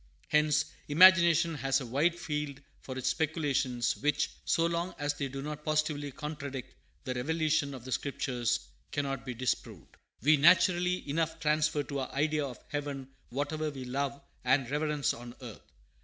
Hence imagination has a wide field for its speculations, which, so long as they do not positively contradict the revelation of the Scriptures, cannot be disproved. We naturally enough transfer to our idea of heaven whatever we love and reverence on earth.